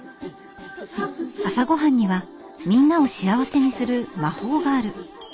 朝ごはんにはみんなを幸せにする魔法がある。